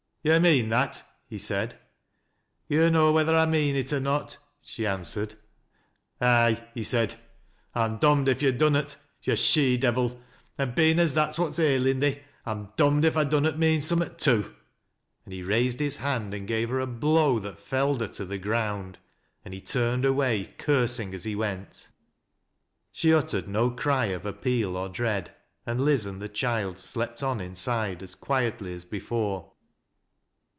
" To' mean that ?" he said. " Yo' know whether I mean it or not," she answered. " Aye !" he said. " I'm dom'd if yo' dunnot, yo' she devil, an' bein' as that's what's ailin' thee, I'm dom'd if I dunnot mean summat too," and he raised his hand and gave her a blow that felled her to the ground ; then he turned away, cursing as he went. She uttered no cry of appeal or dread, and Liz and the child slept on inside, as quietly as before.